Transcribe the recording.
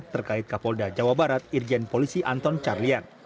terkait kapolda jawa barat irjen polisi anton carlian